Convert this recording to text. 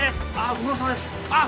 ご苦労さまですあっ！